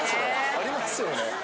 ありますよね？